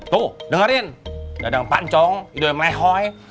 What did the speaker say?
tuh dengerin dadang pancong idoi melehoi